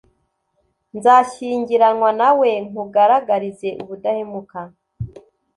Nzashyingiranwa nawe nkugaragarize ubudahemuka,